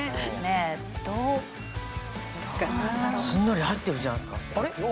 すんなり入ってるじゃないですかあれ？